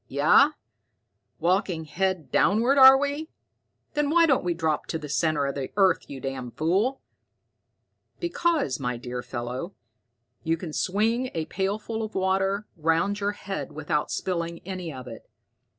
"Yeah? Walking head downward, are we? Then why don't we drop to the center of the earth, you damn fool?" "Because, my dear fellow, you can swing a pailful of water round your head without spilling any of it.